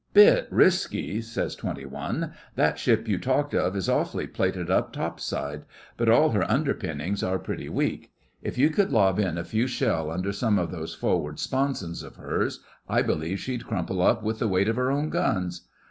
'Bit risky,' says Twenty One. 'That ship you talked of is awfully plated up topside, but all her underpinnings are pretty weak. If you could lob in a few shell under some of those forward sponsons of hers, I believe she'd crumple up with the weight of her own guns.